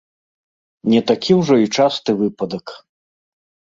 Не такі ўжо і часты выпадак.